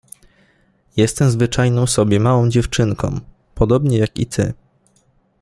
— Jestem zwyczajną sobie małą dziewczynką, podobnie jak i ty.